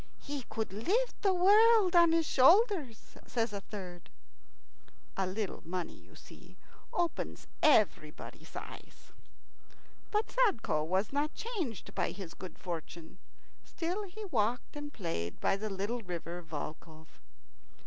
"He could lift the world on his shoulders," says a third. A little money, you see, opens everybody's eyes. But Sadko was not changed by his good fortune. Still he walked and played by the little river Volkhov.